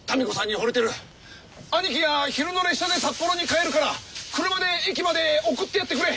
兄貴が昼の列車で札幌に帰るから車で駅まで送ってやってくれ